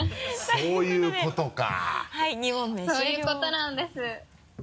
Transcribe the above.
そういうことなんです。